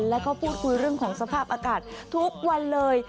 แล้วก็พูดคุยเรื่องของสภาพอากาศทุกวันเลย